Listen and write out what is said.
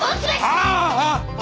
ああ！